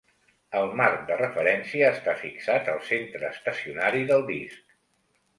El marc de referència està fixat al centre estacionari del disc.